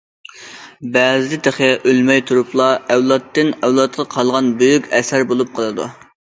بەزىدە تېخى ئۆلمەي تۇرۇپلا ئەۋلادتىن- ئەۋلادقا قالغان بۈيۈك ئەسەر بولۇپ قالىدۇ.